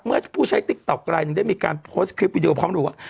เมื่อผู้ใช้ติ๊กต๊อกลายหนึ่งได้มีการโพสต์คลิปวิดีโอพร้อมรู้ว่า